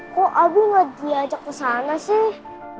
kok abi gak diajak ke sana sih